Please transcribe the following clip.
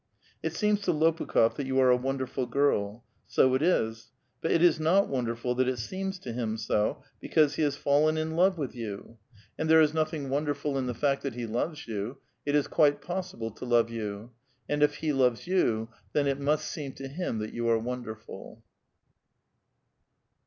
It seems to Loinikhof that you are a wonderful girl. So it is ; but it is not wonderful that it seems to him so, because he has fallen in love with you ! And there is nothing won A VITAL QUESTION. 75 derful in the fact that he loves you ; it is quite possible to love you ; and if he loves you, thuu it must seem to hiiii that you are wonderful.